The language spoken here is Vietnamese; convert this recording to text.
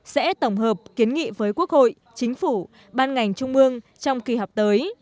sẽ tổng hợp kiến nghị với quốc hội chính phủ ban ngành trung mương trong kỳ họp tới